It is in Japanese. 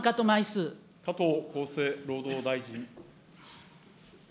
加藤厚生労働大臣。